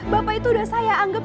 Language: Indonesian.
bapak itu udah saya anggap